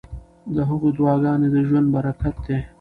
د هغوی دعاګانې د ژوند برکت دی.